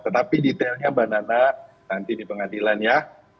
tetapi detailnya mbak nana nanti di pengadilan ya